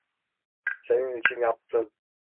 Senin için yaptım.